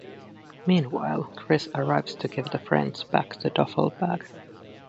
Meanwhile, Chris arrives to give the friends back the duffel bag.